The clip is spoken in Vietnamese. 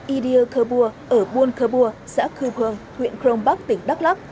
idia khabour ở buôn khabour xã khư khơ huyện khrong bắc tỉnh đắk lắk